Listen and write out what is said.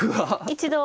一度。